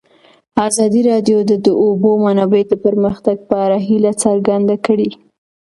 ازادي راډیو د د اوبو منابع د پرمختګ په اړه هیله څرګنده کړې.